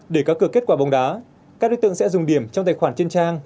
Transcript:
để có cửa kết quả bóng đá các đối tượng sẽ dùng điểm trong tài khoản trên trang